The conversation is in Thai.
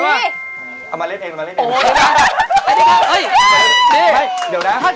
การเจอการเจอการ